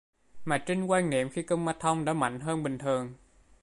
mà Trinh quan niệm khi Kumanthong đã mạnh hơn bình thường